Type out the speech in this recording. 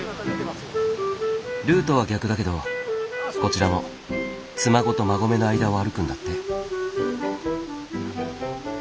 ルートは逆だけどこちらも妻籠と馬籠の間を歩くんだって。